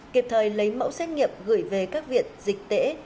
kịp thời lấy mẫu xét nghiệm gửi về các viện dịch tễ